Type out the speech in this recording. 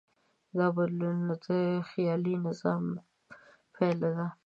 دا بدلون د خیالي نظم پایله ده.